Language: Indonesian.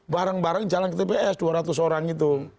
barang barang jalan ke tps dua ratus orang itu